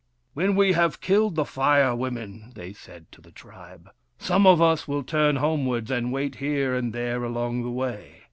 " When we have killed the Fire Women," they said to the tribe, " some of us will turn home wards and wait here and there along the way.